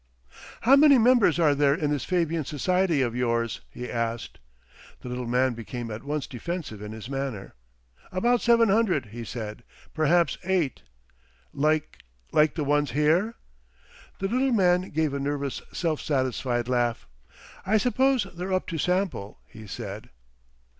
"How many members are there in this Fabian Society of yours?" he asked. The little man became at once defensive in his manner. "About seven hundred," he said; "perhaps eight." "Like—like the ones here?" The little man gave a nervous self satisfied laugh. "I suppose they're up to sample," he said.